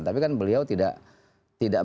tapi kan beliau tidak